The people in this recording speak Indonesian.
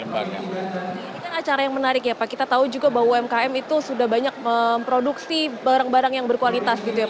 ini acara yang menarik ya pak kita tahu juga umkm itu sudah banyak memproduksi barang barang yang berkualitas